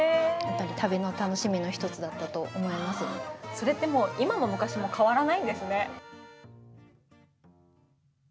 それって今も昔も変わらないんですね。